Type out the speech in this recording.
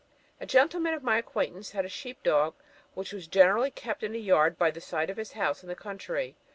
A gentleman of my acquaintance had a sheep dog, which was generally kept in a yard by the side of his house in the country.